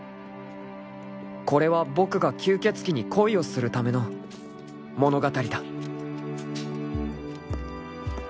［これは僕が吸血鬼に恋をするための物語だ］